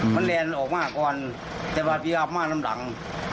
มันแรนออกมากก่อนแต่พี่ราบมากลำดัง